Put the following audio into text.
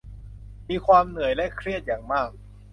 มีความเหนื่อยและเครียดอย่างมาก